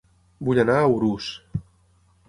Vull anar a Urús